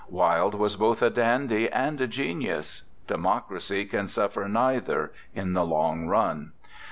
Wilde was both a dandy and a genius; democracy can suffer neither in the long run.